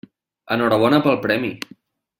Enhorabona pel premi.